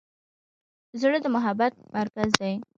زړه د محبت مرکز دی.